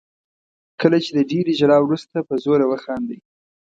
کله چې د ډېرې ژړا وروسته په زوره وخاندئ.